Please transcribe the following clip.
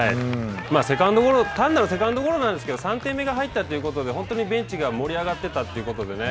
単なるセカンドゴロなんですけど３点目が入ったということで本当にベンチが盛り上がってたということでね。